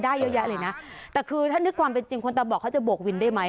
เยอะแยะเลยนะแต่คือถ้านึกความเป็นจริงคนตามบอกเขาจะบวกวินได้ไหม